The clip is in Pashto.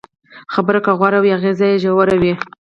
خبره که غوره وي، اغېز یې ژور وي.